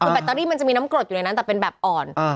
คือแบตเตอรี่มันจะมีน้ำกรดอยู่ในนั้นแต่เป็นแบบอ่อน